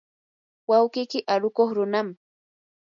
wawqiyki arukuq runam.